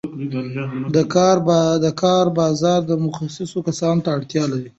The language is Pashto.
د کار بازار متخصصو کسانو ته اړتیا لري.